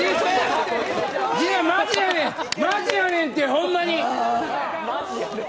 マジやねんて、ほんまに。